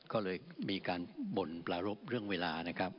ก็เลยมีการบ่นประรบเรื่องเวลานะครับ